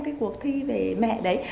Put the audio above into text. cái cuộc thi về mẹ đấy